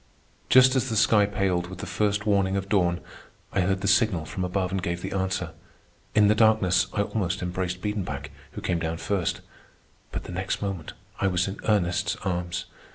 Just as the sky paled with the first warning of dawn, I heard the signal from above and gave the answer. In the darkness I almost embraced Biedenbach, who came down first; but the next moment I was in Ernest's arms.